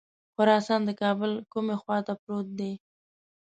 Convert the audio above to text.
خراسان د کابل کومې خواته پروت دی.